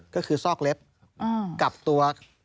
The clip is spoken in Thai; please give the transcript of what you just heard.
ก็คือซอกเล็บกับตัว